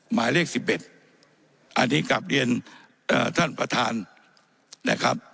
หมายเลข๑๑อันนี้กลับเรียนท่านประธานนะครับ